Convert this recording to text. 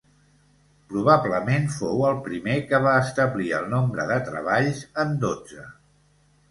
Probablement fou el primer que va establir el nombre de treballs en dotze.